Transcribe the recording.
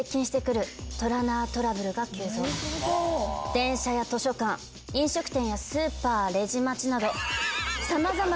電車や図書館飲食店やスーパーレジ待ちなど。